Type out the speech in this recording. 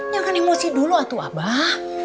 jangan emosi dulu atau abah